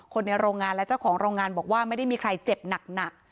ในโรงงานและเจ้าของโรงงานบอกว่าไม่ได้มีใครเจ็บหนัก